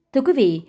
thưa quý vị